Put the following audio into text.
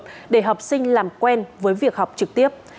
để học sinh làm quen với việc học trực tiếp